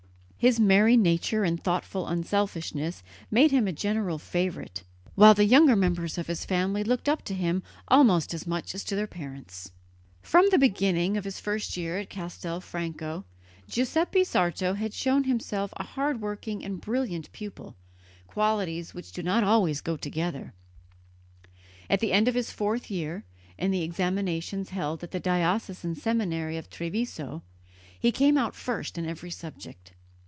His merry nature and thoughtful unselfishness made him a general favourite, while the younger members of the family looked up to him almost as much as to their parents. From the beginning of his first year at Castelfranco Giuseppe Sarto had shown himself a hard working and brilliant pupil, qualities which do not always go together, At the end of his fourth year, in the examinations held at the diocesan seminary of Treviso, he came out first in every subject.